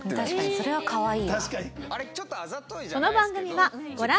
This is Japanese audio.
それはかわいいわ。